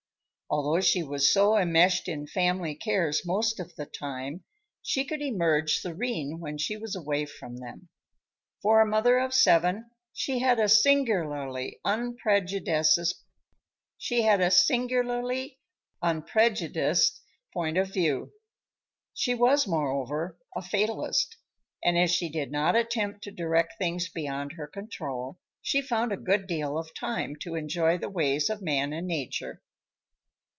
Although she was so enmeshed in family cares most of the time, she could emerge serene when she was away from them. For a mother of seven, she had a singularly unprejudiced point of view. She was, moreover, a fatalist, and as she did not attempt to direct things beyond her control, she found a good deal of time to enjoy the ways of man and nature.